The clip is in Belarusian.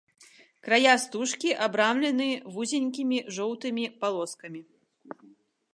Края стужкі абрамлены вузенькімі жоўтымі палоскамі.